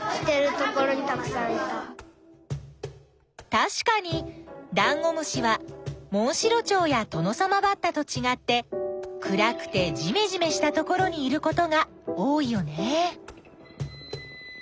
たしかにダンゴムシはモンシロチョウやトノサマバッタとちがって暗くてじめじめしたところにいることが多いよね。